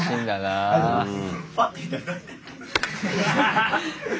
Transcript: ありがとうございます。